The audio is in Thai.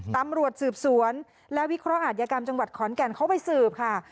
ตำรวจสืบสวนและวิเคราะห์อาจยกรรมจังหวัดขอนแก่นเข้าไปสืบค่ะ